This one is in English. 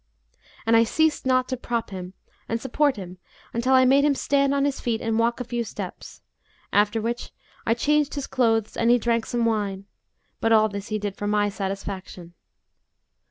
And I ceased not to prop him and support him until I made him stand on his feet and walk a few steps, after which I changed his clothes and he drank some wine: but all this he did for my satisfaction.